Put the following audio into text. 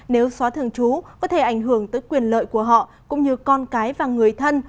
nếu xóa thường trú có thể ảnh hưởng tới quyền lợi của họ cũng như con cái và người thân